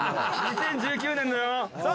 ２０１９年だよ。